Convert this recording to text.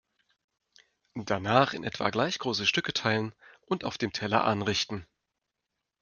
Danach in etwa gleich große Stücke teilen und auf dem Teller anrichten.